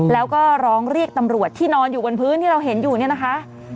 แล้วก็ร้องเรียกตำรวจที่นอนอยู่บนพื้นที่เราเห็นอยู่เนี่ยนะคะ